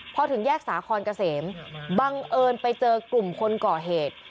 พอถึงแยกสาคอนเกษมบังเอิญไปเจอกลุ่มคนก่อเหตุ